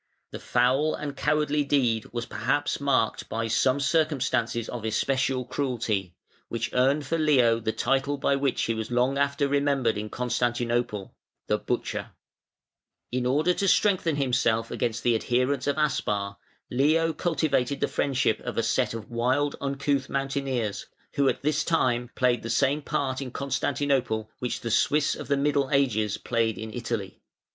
The foul and cowardly deed was perhaps marked by some circumstances of especial cruelty, which earned for Leo the title by which he was long after remembered in Constantinople, "The Butcher". [Footnote 35: Leo Macellus.] In order to strengthen himself against the adherents of Aspar, Leo cultivated the friendship of a set of wild, uncouth mountaineers, who at this time played the same part in Constantinople which the Swiss of the Middle Ages played in Italy.